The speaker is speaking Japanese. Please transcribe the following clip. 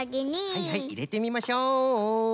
はいはいいれてみましょう。